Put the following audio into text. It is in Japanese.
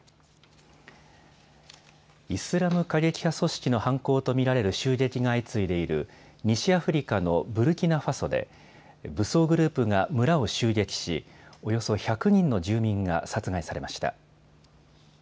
イスラム過激派組織の犯行と見られる襲撃が相次いでいる西アフリカのブルキナファソで武装グループが村を襲撃し、およそ１００人の住民が殺害されました。